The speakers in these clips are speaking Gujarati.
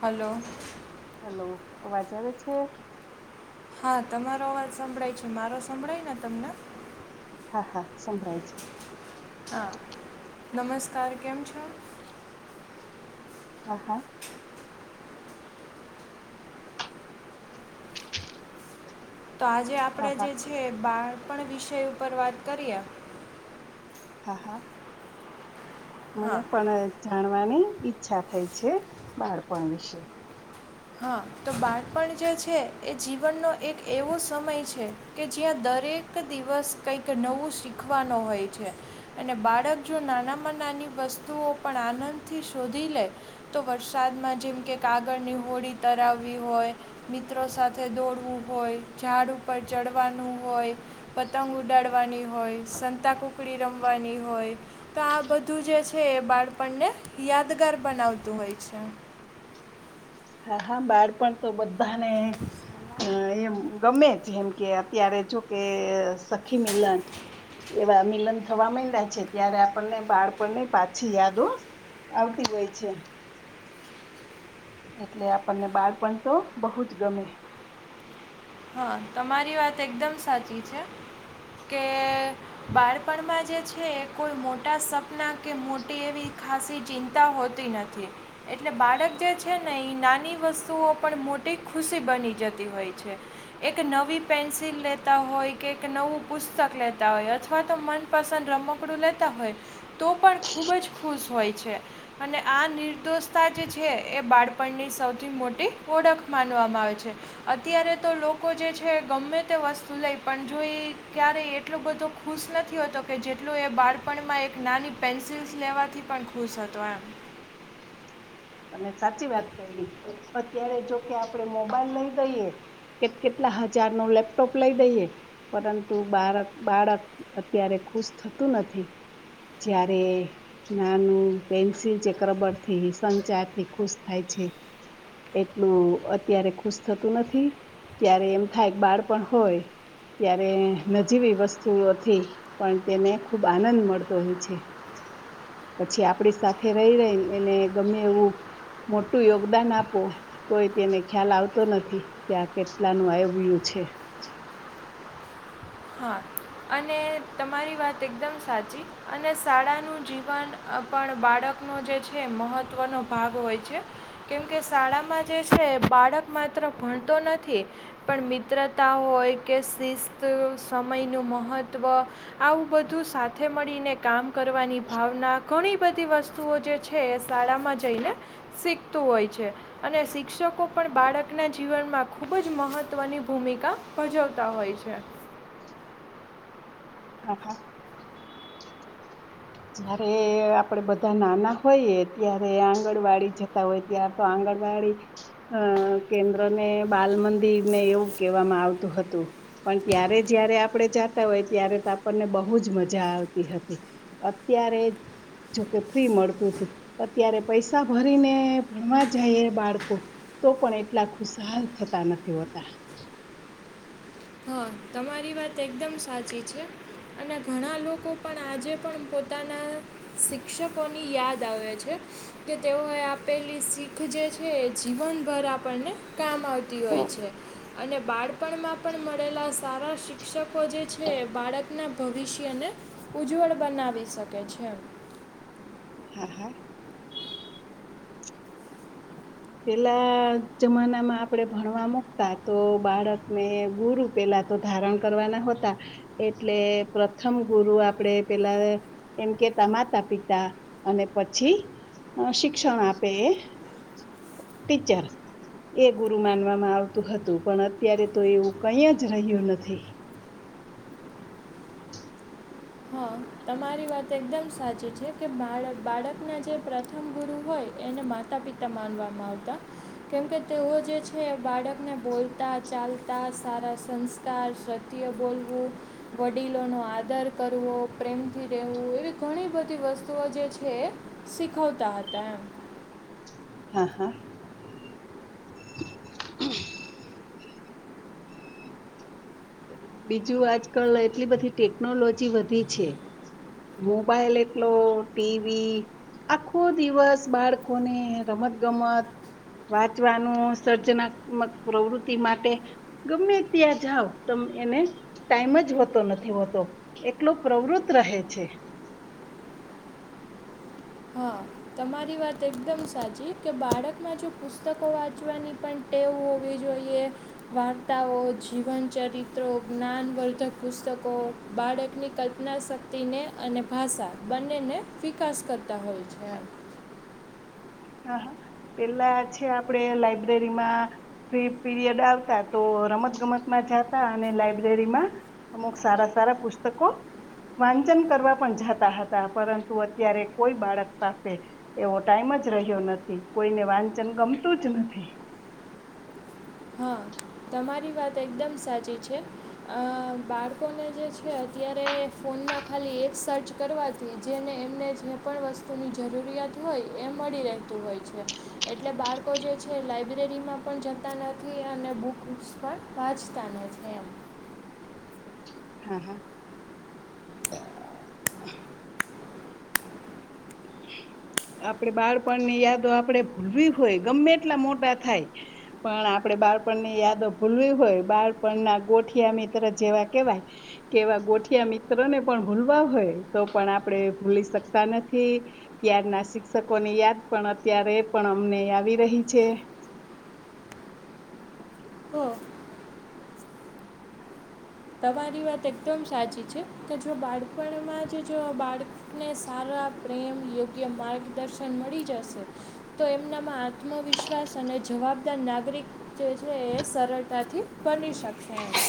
હલો હલો, અવાજ આવે છે? હા તમારો અવાજ સંભળાય છે, મારો સંભળાય ને તમને? હા હા, સંભળાય છે. હા, નમસ્કાર કેમ છો? હા હા તો આજે હા આપણેે હા જે છે, બાળપણ વિષય ઉપર વાત કરીએ. હા હા, હા મને પણ અ જાણવાની ઈચ્છા થઈ છે, બાળપણ વિશે. હા, તો બાળપણ જે છે, એ જીવનનો એક એવો સમય છે. કે જ્યાં દરેક દિવસ કઈક નવું શીખવાનું હોય છે. અને બાળક જો નાનામાં નાની વસ્તુઓ પણ આનંદ થી શોધી લે. તો વરશાદમાં જેમ કે કાગળની હોડી તરાવવી હોય. મિત્રો સાથે દોડવું હોય, ઝાડ ઉપર ચડવાનું હોય. પતંગ ઉડાડવાની હોય, સંતા કુકડી રમવાની હોય. તો આ બધું જે છે, એ બાળપણને યાદગાર બનાવતું હોય છે. હા હા, બાળપણ તો બધાને અ એમ ગમે છે એમ કે અત્યારે જો કે સખી મલાન એવા મિલન થવા મન્ડિયા છે ત્યારે આપણને બાળપણ ની પાછી યાદો આવતી હોય છે એટલે આપણને બાળપણ તો બહુ જ ગમે હા તમારી વાત એકદમ સાચી છે કે બાળપણમાં જે છે એ કોઈ મોટા સપના કે મોટી એવી ખાસી ચિંતા હોતી નથી એટલે બાળક જે છે ને એ નાની વસ્તુઓ પણ મોટી ખુશી બની જતી હોય છે એક નવી પેન્સિલ લેતા હોય કે એક નવું પુસ્તક લેતા હોય અથવા તો મન પસંદ રમકડું લેતા હોય તો પણ ખૂબ જ ખુશ હોય છે અને આ નિર્દોષતા જે છે એ બાળપણની સૌથી મોટી ઓળખ માનવામાં આવે છે અત્યારે તો લોકો લોકો જે છે ગમે તે વસ્તુ લઈ પણ જો એ ક્યારેય એટલો બધો ખુશ નથી હોતો કે જેટલું એ બાળપણમાં એક નાની પેન્સિલ્સ લેવાથી પણ ખુશ હતો એમ અને સાચી વાત કરલી અત્યારે જોકે આપણે મોબાઈલ લઈ દઈએ કે કેટલા હજાર નો લેપટોપ લઈ દઈએ પરંતુ બાળક બાળક અત્યારે ખુશ થતું નથી જયારે નાનું પેન્સિલ ચક્રબર થીસંગ ચારથી ખુશ થાય છે એટલું અત્યારે ખુશ થતું નથી ત્યારે એમ થાય બાળપણ હોય ત્યારે નજીવી વસ્તુથી પણ તેને ખુબ આનંદ મળતો હોય છે પછી આપડી સાથે રહી રહીને એને ગમે એવું મોટું યોગદાન આપો કોઈ તેને ખ્યાલ આવતો નથી કે આ કેટલાનું આવય્યું છે હા અને તમારી વાત એકદમ સાચી અને શાળાનું જીવન પણ બાળકનો જે છે મહત્વનો ભાગ હોય છે કેમકે શાળામાં જે છે બાળક માત્ર ભણતો નથી પણ મિત્રતા હોય કે શિસ્ત સમયનું મહત્ત્વ આવું બધું સાથે મળીને કામ કરવાની ભાવના ઘણી બધી વસ્તુઓ જે છે એ શાળામાં જઈને શીખતું હોય છે અને શિક્ષકો પણ બાળકના જીવનમાં ખૂબ જ મહત્વની ભૂમિકા ભજવતા હોય છે હા હા જયારે આપડે બધા નાના હોઈએ ત્યારે આંગણવાડી જતા હોય ત્યારે આંગણવાડી અ કેન્દ્રને બાલ મંદિર ને એવું કહેવામાં આવતું હતું પણ ત્યારે જય્યારે આપણે જાતા હોય ત્યારે તો આપણને બહુ જ મજા આવતી હતી અત્યારે જ જોકે ફ્રી મળતું હતું અત્યારે પૈસા ભરીને ભણવા જાય એ બાળકો તો પણ એટલા ખુશાલ થતા નથી હોતા હા તમારી વાત એકદમ સાચી છે અને ઘણા લોકો પણ આજે પણ પોતાના શિક્ષકોની યાદ આવે છે કે તેઓએ આપેલી શીખ જે છે એ જીવનભર આપણને કામ આવતી હોય છે અને બાળપણમાં પણ મળેલા સારા શિક્ષકો જે છે બાળકના ભવિષ્યને ઉજ્જવળ બનાવી શકે છે હા હા પેલા જમાના માં આપણેે ભણવા મુકતા તો બાળકને ગુરુ પેલા તો ધારણ કરવાના હતા. એટલે પ્રથમ ગુરુ આપડે પેલા એમ કે, તા માતા પિતા અને પછી શિક્ષણ આપે એ ટીચર એ ગુરુ માનવામાં આવતું હતું. પણ અત્યારે તો એવું કંઈ જ રહ્યું નથી. હા તમારી વાત એકદમ સાચી છે કે બાળક બાળકના જે પ્રથમ ગુરુ હોય એને માતા પિતા માનવામાં આવતા. કેમકે, તેઓ જે છે બાળકને બોલતા, ચાલતા, સારા સં સંસ્કાર, સત્ય બોલવું, વડીલોનો આદર કરવો પ્રેમથી રહેવું. એવી ઘણી બધી વસ્તુઓ જે છે એ શીખવતા હતા એમ. હા હા બીજું આજકાલ એટલી બધી ટેકનોલોજી વધી છે. મોબાઈલ એટલો ટીવી આખો દિવસ બાળકોને રમત ગમત વાંચવાનું, સર્જનાત્મક પ્રવૃત્તિ માટે ગમે ત્યાં જાઓ. તમે એને ટાઈમ જ હોતો નથી હોતો એટલો પ્રવૃત રહે છે. હા તમારી વાત એકદમ સાચી કે બાળકમાં જો પુસ્તકો વાંચવાની પણ ટેવ હોવી જોઈએ વાર્તાઓ, જીવન ચરિત્રો, જ્ઞાનવર્ધક પુસ્તકો બાળકની કલ્પના શક્તિને અને ભાષા બંનેને વિકાસ કરો કર્તા હોય છે હા હા પેલા છે આપડે લાઈબ્રેરીમાં ફ્રી પીરિયડ આવતા તો રમત ગમતમાં જાતા અને લાઈબ્રેરીમાં અમુક સારા સારા પુસ્તકો વાંચન કરવા પણ જાતા હતા. પરંતુ અત્યારે કોઈ બાળક પાસે એવો ટાઈમ જ રહ્યો નથી, કોઈને વાંચન ગમતું જ નથી. હા તમારી વાત એકદમ સાચી છે. અ બાળકોને જે છે અત્યારે ફોનમાં ખાલી એક સર્ચ કરવાથી જેને એમને જે પણ વસ્તુની જરૂરિયાત હોય એ મળી રહેતું હોય છે એટલે બાળકો જે છે એ લાઈબ્રેરીમાં પણ જતા નથી અને બુકસ પણ વાચતા નથી એમ હા હા આપડે બાળપણની યાદો આપડે ભૂલવી હોય ગમે એટલા મોટા થાય પણ આપણે બાળપણની યાદો ભૂલવી હોય બાળપણના ગોઠિયા મિત્ર જેવા કેવાય કેવા ગોઠિયા મિત્રને પણ ભૂલવા હોય તો પણ આપણેે ભૂલી શકતા નથી ત્યાર ના શિક્ષકો ની યાદ પણ અત્યારે પણ અમને આવી રહી છે હો તમારી વાત એકદમ સાચી છે કે, જો બાળપણમાં જ જો બાળ ને સારા પ્રેમ, યોગ્ય માર્ગદર્શન મળી જશે તો એમનામાં આત્મવિશ્વાસ અને જવાબદાર નાગરિક જે છે એ સરળતાથી બની શકશે એમ.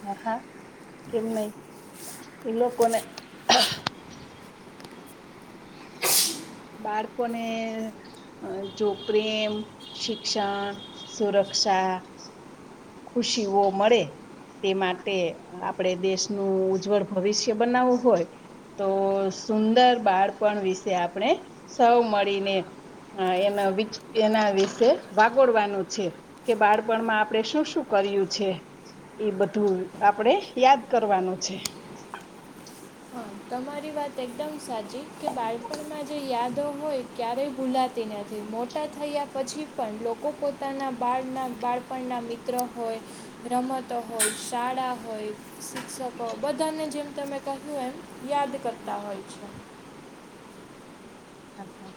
હા હા કેમ નહી? એ લોકોને બાળકોને જો પ્રેમ, શિક્ષણ, સુરક્ષા ખુશીઓ મળે તે માટે આપણેે દેશનું ઉજ્જવળ ભવિષ્ય બનાવવું હોય તો સુંદર બાળપણ વિશે આપણે સૌ મળીને અ એના એના વિશે વાગોડવાનું છે કે બાળપણમાં આપણે શું શું કર્યું છે એ બધું આપડે યાદ કરવાનું છે હા તમારી વાત એકદમ સાચી કે બાળપણમાં જે યાદો હોય ક્યારેય ભૂલાતી નથી થયા પછી પણ લોકો પોતાના બાળના બાળપણના મિત્ર હોય રમતો હોય શાળા હોય શિક્ષકો બધાને જેમ તમે કહ્યું એમ યાદ કરતા હોય છે હા હા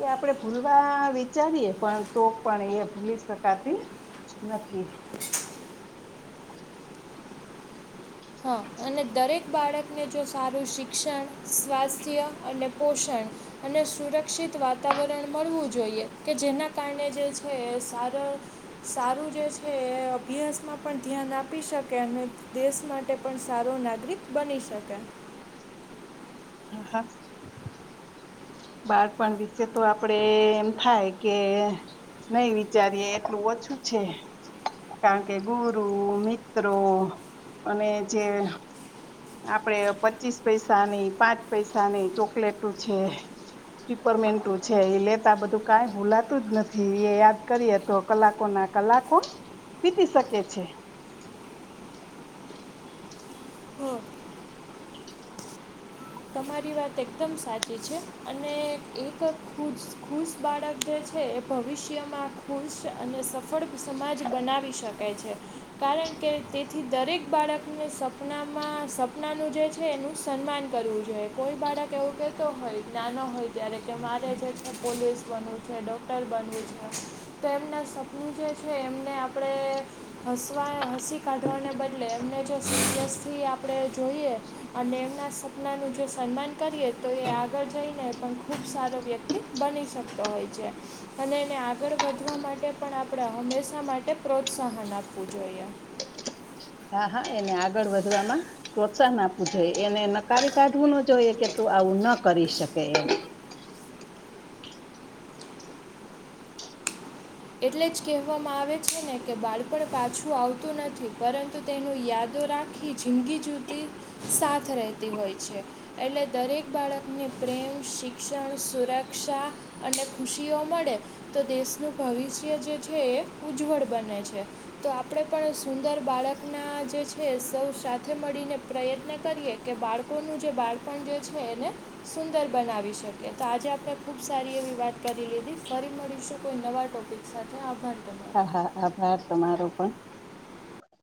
એ આપણે ભૂલવા વિચારીએ પણ તોક પણ એ ભૂલી શકાતી નથી [inaudible] હા અને દરેક બાળકને જો સારું શિક્ષણ સ્વાસ્થ્ય અને પોષણ અને સુરક્ષિત વાતાવરણ મળવું જોઈએ કે જેના કારણે જે છે સાર સારું જે છે એ અભ્યાસમાં પણ ધ્યાન આપી શકે અને દેશ માટે માટે પણ સારો નાગરિક બની શકે હા હા બાળપણ વિશે તો આપડે એમ થાય કે નઈ વિચારીએે એટલું ઓછું છે કારણ કે ગુરુ મિત્રો અને જે આપડે પચીસ પૈસાની પાંચ પૈસાની ચોકલેટું છે પિપરમેન્ટુ છે એ લેતા બધું કં ભૂલાતું જ નથી એ યાદ કરીએ તો કલાકો ના કલાકો વિતી શકે છે હા તમારી વાત એકદમ સાચી છે અને એક ખુ જ ખુશ બાળક જે છે એ ભવિષ્યમાં ખુશ અને સફળ સમાજ બનાવી શકે શકે છે કારણ કે તેથી દરેક બાળકને સપનામાં સપનાનું જે છે એનું સન્માન કરવું છે જો કોઈ બાળક એવું કતો હોય નાનો હોય ત્યારે કે મારે છે પોલીસ બનવું છે ડૉક્ટર બનવું છે તો એમના સપનું જે છે એમને આપણે હસવા હસી કાઢવાને બદલે એમને જો સરયસથી આપણે જોઈએ અને એમના સપનાનું જો સન્માન કરીએ તો એ આગળ જઈને પણ ખુબ સારો વ્યક્તિ બની શકતો હોય છે અને એને આગળ વધવા માટે પણ આપણે હંમેશા માટે પ્રોત્સાહન આપવું જોઈએ હા હા એને આગળ વધવામાં પ્રોત્સાહન આપવું જોઈએ એને નકારી કાઢવું ન જોઈએ કે તું આવું ના કરી શકે એમ એટલે જ કહેવામાં આવે છે ને કે બાળપણ પાછું આવતું નથી પરંતુ તેનું યાદો રાખ આખી જિંદગી જુતી સાથ રહેતી હોય છે એટલે દરેક બાળકને પ્રેમ શિક્ષણ સુરક્ષા અને ખુશીઓ મળે તો દેશનું ભવિષ્ય જે છે એ ઉજ્જવળ બને છે તો આપણે પણ સુંદર બાળકના જે છે સૌ સાથે મળીને પ્રયત્ન કરીએ કે બાળકોનું જે બાળપણ જે છે એને સુંદર બનાવી શકી તો આજે આપણે ખુબ સારી એવી વાત કરી લીધી ફરી મળીશું કોઈ નવા ટોપિક સાથે આભ્વાાન કર હા હા આભાર તમારો પણ